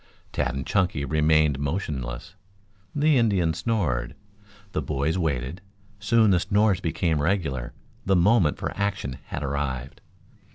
Tad and Chunky remained motionless. The Indian snored. The boys waited. Soon the snores became regular. The moment for action had arrived.